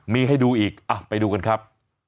มีให้ดูอีกไปดูกันครับ